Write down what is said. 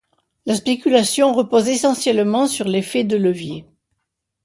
La spéculation repose essentiellement sur l'effet de levier.